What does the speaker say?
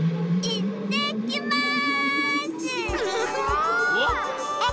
いってきます！